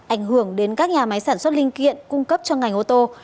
ảnh hưởng đến các nhà máy sản xuất linh kiện cung cấp cho ngành ô tô